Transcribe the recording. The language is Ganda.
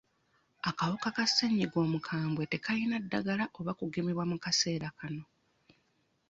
Akawuka ka sennyiga omukambwe tekayina ddagala oba okugemebwa mu kaseera kano.